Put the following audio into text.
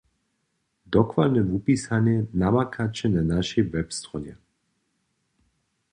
Dokładne wupisanje namakaće na našej webstronje.